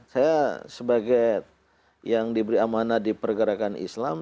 saya sebagai yang diberi amanah di pergerakan islam